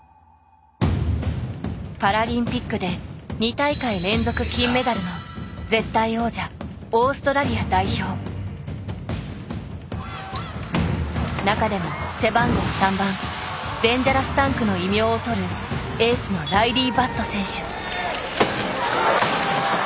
パラリンピックで２大会連続金メダルの絶対王者なかでも背番号３番「デンジャラスタンク」の異名をとるエースのライリー・バット選手。